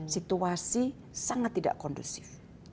situasi sangat tidak kondusif